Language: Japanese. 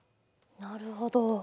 なるほど。